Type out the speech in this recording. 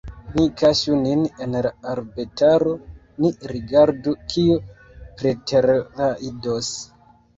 Ni kaŝu nin en la arbetaro, ni rigardu, kiu preterrajdos.